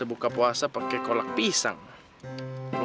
eh kasar maling lu ya